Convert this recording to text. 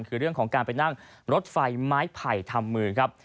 คือเรื่องของการไปนั่งรถไฟไม้ไผ่ทำมือครับ